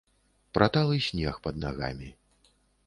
Пра талы снег пад нагамі.